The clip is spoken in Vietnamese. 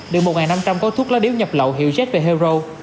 được một năm trăm linh có thuốc lá điếu nhập lậu hiệu jet vhero